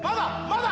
まだ？